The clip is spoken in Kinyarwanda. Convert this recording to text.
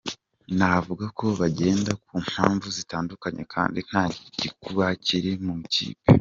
Navuga ko bagenda ku mpamvu zitandukanye kandi nta gikuba kiri mu ikipe.